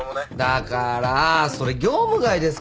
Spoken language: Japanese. だからそれ業務外ですから。